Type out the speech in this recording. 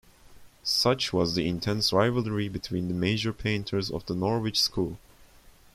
Such was the intense rivalry between the major painters of the Norwich School.